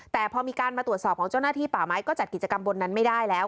แต่พอมีการมาตรวจสอบของเจ้าหน้าที่ป่าไม้ก็จัดกิจกรรมบนนั้นไม่ได้แล้ว